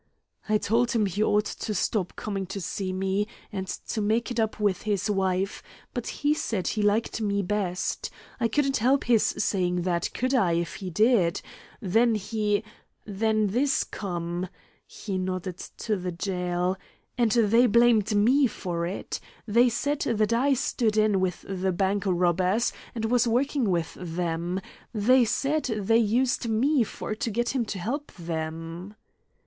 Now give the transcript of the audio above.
"I told him he ought to stop coming to see me, and to make it up with his wife, but he said he liked me best. I couldn't help his saying that, could I, if he did? Then he then this come," she nodded to the jail, "and they blamed me for it. They said that I stood in with the bank robbers, and was working with them; they said they used me for to get him to help them."